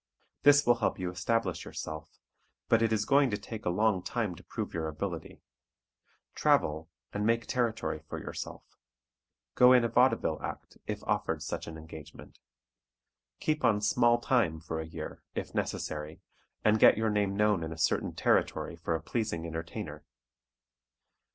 This will help you establish yourself, but it is going to take a long time to prove your ability. Travel, and make territory for yourself. Go in a vaudeville act, if offered such an engagement. Keep on "small time" for a year, if necessary, and get your name known in a certain territory for a pleasing entertainer.